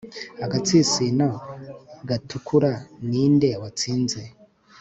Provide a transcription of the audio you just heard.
Agatsinsino gatukura ninde watsinze